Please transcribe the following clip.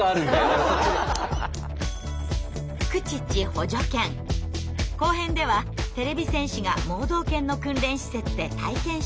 補助犬後編ではてれび戦士が盲導犬の訓練施設で体験取材。